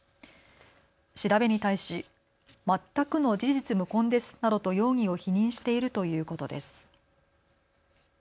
調べに対し全くの事実無根ですなどと容疑を否認しているということです。